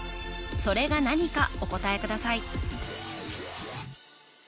それが何かお答えください